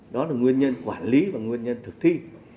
đó là nguyên nhân quản lý và nguyên nhân thực thi